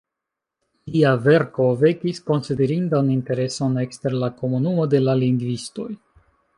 Lia verko vekis konsiderindan intereson ekster la komunumo de la lingvistoj.